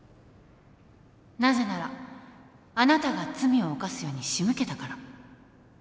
なぜならあなたが罪を犯すように仕向けたから。